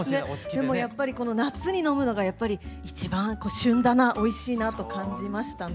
でもやっぱりこの夏に飲むのが一番旬だなおいしいなと感じましたね。